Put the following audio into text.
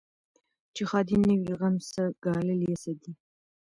چي ښادي نه وي غم څه ګالل یې څه دي